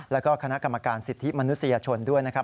แล้วก็คณะกรรมการสิทธิมนุษยชนด้วยนะครับ